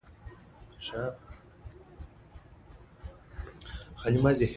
مزارشریف د افغانستان د طبیعي پدیدو یو رنګ دی.